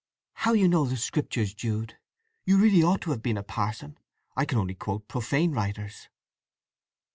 "How you know the Scriptures, Jude! You really ought to have been a parson. I can only quote profane writers!"